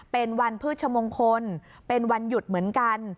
เป็นวันพฤชมงคลเป็นวันหยุดเหมือนกัน